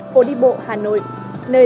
phố đi bộ hà nội